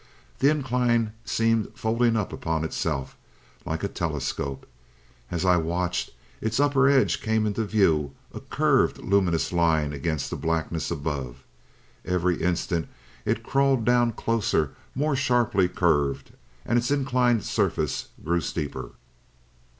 The incline seemed folding up upon itself, like a telescope. As I watched, its upper edge came into view, a curved, luminous line against the blackness above. Every instant it crawled down closer, more sharply curved, and its inclined surface grew steeper.